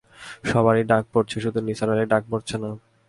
সবারই ডাক পড়ছে, শুধু নিসার আলির ডাক পড়ছে না।